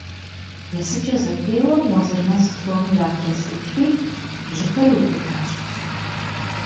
Есыкӏэ зэпеуэм Уэзырмэс псоми яблэсыкӏри бжьыпэр иубыдащ.